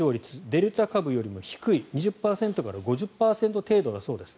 デルタ株よりも低い２０％から５０％程度だそうです。